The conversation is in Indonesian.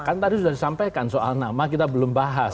kan tadi sudah disampaikan soal nama kita belum bahas